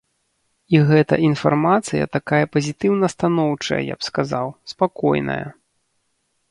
І гэта інфармацыя такая пазітыўна-станоўчая я б сказаў, спакойная.